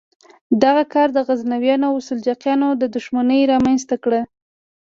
دغه کار د غزنویانو او سلجوقیانو دښمني رامنځته کړه.